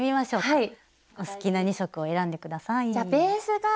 はい。